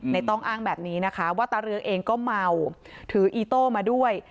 ต้องอ้างแบบนี้นะคะว่าตาเรืองเองก็เมาถืออีโต้มาด้วย